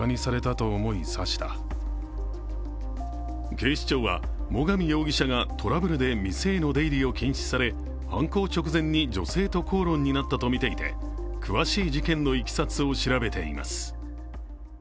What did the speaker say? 警視庁は最上容疑者がトラブルで店への出入りを禁止され犯行直前に女性と口論になったとみていて、詳しい事件のいきさつを調べています。